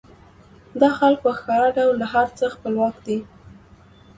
دا خلک په ښکاره ډول له هر څه خپلواک دي